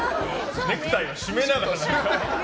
ネクタイを締めながら。